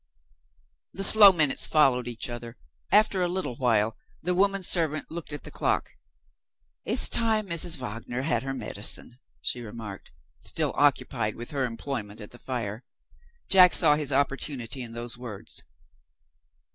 The slow minutes followed each other. After a little while the woman servant looked at the clock. "It's time Mrs. Wagner had her medicine," she remarked, still occupied with her employment at the fire. Jack saw his opportunity in those words.